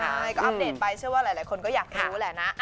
ใช่ก็อัปเดตไปเชื่อว่าหลายคนก็อยากรู้แหละนะ